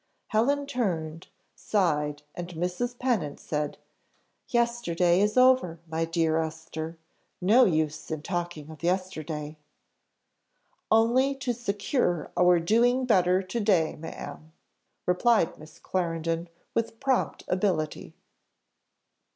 Helen turned, sighed, and Mrs. Pennant said, "Yesterday is over, my dear Esther no use in talking of yesterday." "Only to secure our doing better to day, ma'am," replied Miss Clarendon with prompt ability.